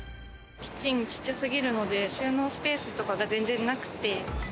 キッチン、ちっちゃすぎるので収納スペースとかが全然なくて。